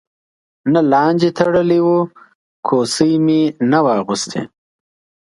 نه لاندې تړلی و، کوسۍ مې نه وه اغوستې.